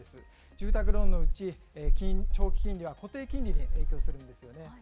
住宅ローンのうち長期金利は固定金利に影響するんですよね。